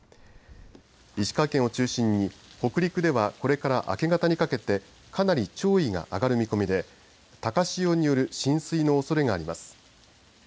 石川県を中心に北陸ではこれから明け方にかけてかなり潮位が上がる見込みで高潮による浸水のおそれがあります。